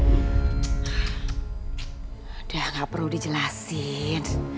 udah gak perlu dijelasin